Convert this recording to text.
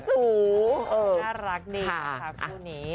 เพื่อเป็นกำหนังแจให้เราอะไรนี้